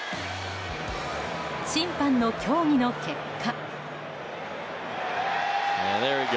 審判の協議の結果。